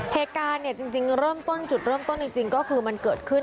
เหตุการณ์เนี่ยจริงเริ่มต้นจุดเริ่มต้นจริงก็คือมันเกิดขึ้น